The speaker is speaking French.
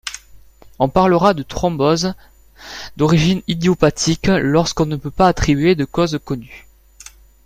On parlera de thrombose d'origine idiopathique, lorsqu'on ne peut pas attribuer de cause connue.